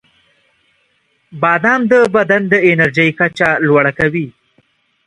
• بادام د بدن د انرژۍ کچه لوړه کوي.